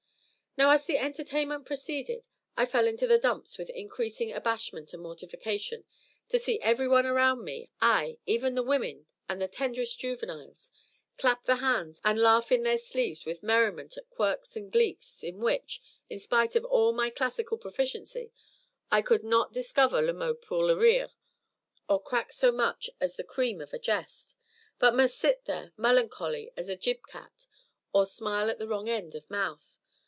Now as the entertainment proceeded, I fell into the dumps with increasing abashment and mortification to see everyone around me, ay, even the women and the tenderest juveniles! clap the hands and laugh in their sleeves with merriment at quirks and gleeks in which in spite of all my classical proficiency I could not discover le mot pour rire or crack so much as the cream of a jest, but must sit there melancholy as a gib cat or smile at the wrong end of mouth.